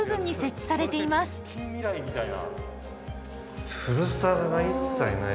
近未来みたいだ。